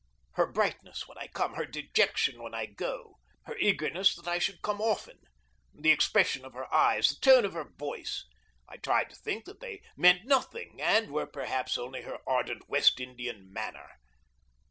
Her brightness when I come, her dejection when I go, her eagerness that I should come often, the expression of her eyes, the tone of her voice I tried to think that they meant nothing, and were, perhaps, only her ardent West Indian manner.